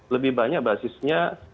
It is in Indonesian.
lebih banyak basisnya